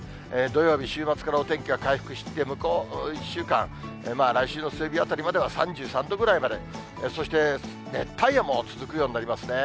土曜日、週末からお天気が回復して、向こう１週間、まあ来週の水曜日あたりまでは、３３度ぐらいまで、そして、熱帯夜も続くようになりますね。